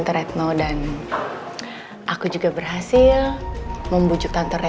terima kasih articulate